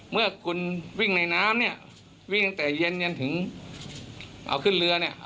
เมื่อคุณวิ่งในน้ำเนี่ยวิ่งตั้งแต่เย็นถึงเอาขึ้นเรือเนี่ย